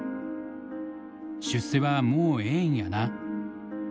「出世はもうええんやな」。